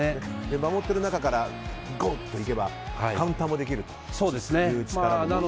守っている中からゴー！って行けばカウンターもできる力もあると。